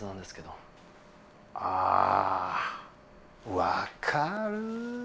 あ分かる。